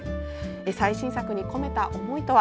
最新作に込めた思いとは？